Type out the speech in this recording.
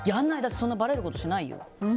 そんなばれることしないよ。